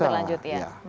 masih berlanjut iya